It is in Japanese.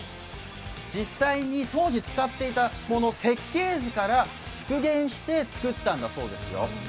実際に当時使っていたものを設計図から復元してつくったんだそうですよ。